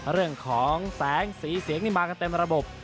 เรื่องของแสงสีเสียงนี่มากันเต็มระบบ